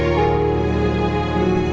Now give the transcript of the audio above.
kau mau ngapain